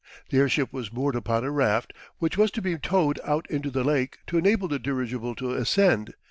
The airship was moored upon a raft which was to be towed out into the lake to enable the dirigible to ascend.